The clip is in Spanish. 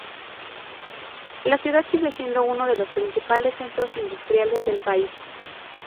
La ciudad sigue siendo uno de los principales centros industriales del país.